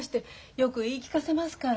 よく言い聞かせますから。